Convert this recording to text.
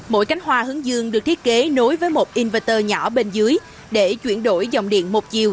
mỗi cánh hoa hướng dương được thiết kế nối với một inverter nhỏ bên dưới để chuyển đổi dòng điện một chiều